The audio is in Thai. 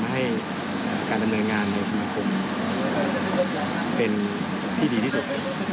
ให้การดำเนินงานในสมาคมเป็นที่ดีที่สุด